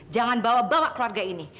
jangan bawa bawa keluarga ini